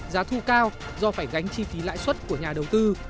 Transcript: giá thu cao do phải gánh chi phí lãi suất của nhà đầu tư